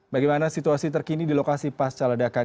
bagaimana situasi terkini di lokasi pasca ledakan